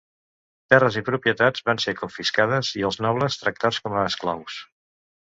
Terres i propietats van ser confiscades i els nobles tractats com a esclaus.